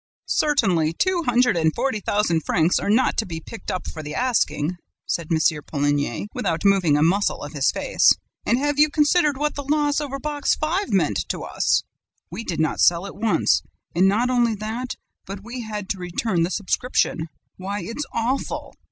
"'Certainly, two hundred and forty thousand francs are not be picked up for the asking,' said M. Poligny, without moving a muscle of his face. 'And have you considered what the loss over Box Five meant to us? We did not sell it once; and not only that, but we had to return the subscription: why, it's awful!